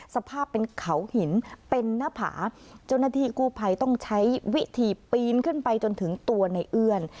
สภาพเป็นเขาหินเป็นหน้าผาเจ้าหน้าที่กู้ภัยต้องใช้วิธีปีนขึ้นไปจนถึงตัวในเอื้อน